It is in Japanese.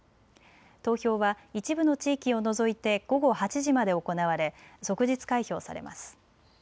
投票は一部の地域を除いて午後８時まで行われ即日開票されます。